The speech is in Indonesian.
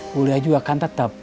kuliah juga kan tetep